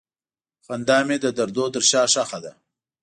خندا مې د دردونو تر شا ښخ ده.